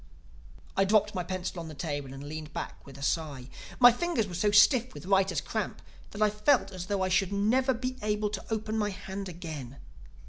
I dropped my pencil on the table and leaned back with a sigh. My fingers were so stiff with writers' cramp that I felt as though I should never be able to open my hand again.